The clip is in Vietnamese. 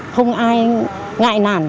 không ai ngại nản